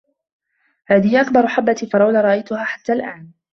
هذه أكبر حبة فراولة رأيتها حتى الآن.